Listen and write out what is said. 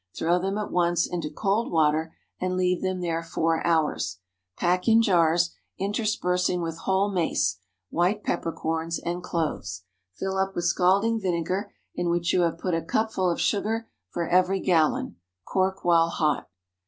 Throw them at once into cold water, and leave them there four hours. Pack in jars, interspersing with whole mace, white pepper corns, and cloves. Fill up with scalding vinegar in which you have put a cupful of sugar for every gallon. Cork while hot.